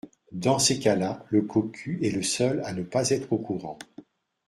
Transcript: dans ces cas-là le cocu est le seul à ne pas être au courant.